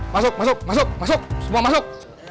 masuk masuk masuk semua masuk